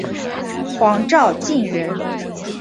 黄兆晋人。